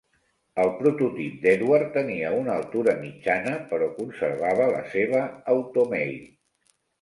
El prototip d'Edward tenia una altura mitjana, però conservava la seva automail.